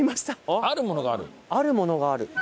あるものがある？